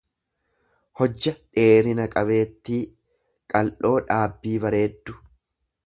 hojja dheerina qabeettii, qal'oo dhaabbii bareeddu.